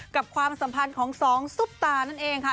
ความสัมพันธ์ของสองซุปตานั่นเองค่ะ